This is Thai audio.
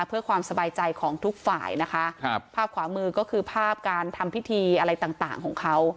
เพื่อความสบายใจของทุกฝ่ายนะคะครับภาพขวามือก็คือภาพการทำพิธีอะไรต่างต่างของเขา